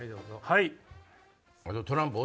はい。